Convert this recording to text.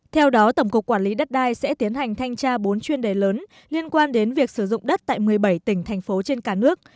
theo đó tổng cục quản lý đất đai sẽ tiến hành thanh tra bốn chuyên đề lớn liên quan đến việc sử dụng đất tại một mươi bảy tỉnh thành phố trên cả nước